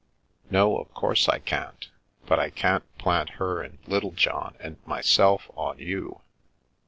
No, of course I can't. But I can't plant her and Little John and myself on you.